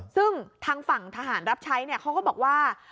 ซึ่งทางฝั่งทหารรับใช้เขาก็บอกว่า